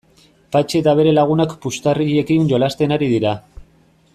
Patxi eta bere lagunak puxtarriekin jolasten ari dira.